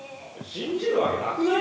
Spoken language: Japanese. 「信じるわけなくない？